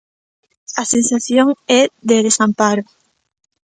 A sensación é de desamparo.